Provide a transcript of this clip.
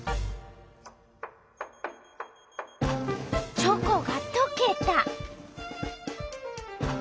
チョコがとけた。